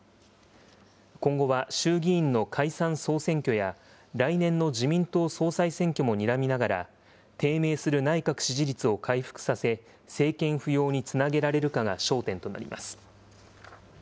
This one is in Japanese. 今後は、衆議院の解散・総選挙や、来年の自民党総裁選挙もにらみながら、低迷する内閣支持率を回復させ、政権浮揚につなげられるかが焦点となります。